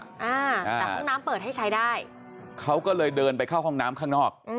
อ่าแต่ห้องน้ำเปิดให้ใช้ได้เขาก็เลยเดินไปเข้าห้องน้ำข้างนอก